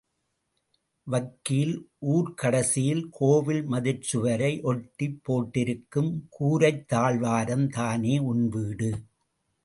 வக்கீல் ஊர்க்கடைசியில் கோவில் மதிற்சுவரை ஒட்டிப் போட்டிருக்கும் கூரைத் தாழ்வாரம் தானே உன் வீடு.